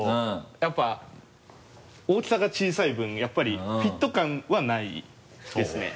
やっぱ大きさが小さい分やっぱりフィット感はないですね。